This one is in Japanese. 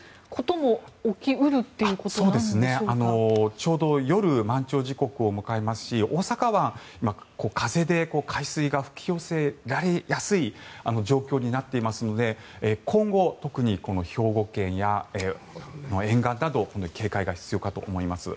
ちょうど夜満潮時刻を迎えますし大阪湾、今、風で海水が吹き寄せられやすい状況になっていますので今後、特に兵庫県や沿岸などは警戒が必要かと思います。